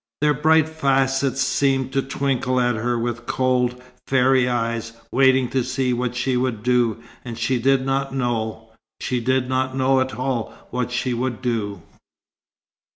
Their bright facets seemed to twinkle at her with cold, fairy eyes, waiting to see what she would do, and she did not know. She did not know at all what she would do.